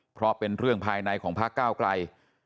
เพราะเป็นเรื่องภายในของพักเก้าไกล